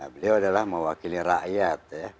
beliau adalah mewakili rakyat